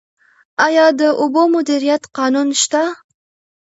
آیا د اوبو مدیریت قانون شته؟